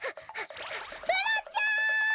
プラちゃん！